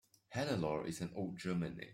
Hannelore is an old German name.